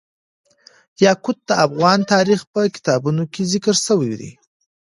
یاقوت د افغان تاریخ په کتابونو کې ذکر شوی دي.